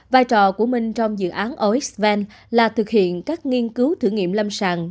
vài trò của mình trong dự án osvent là thực hiện các nghiên cứu thử nghiệm lâm sàng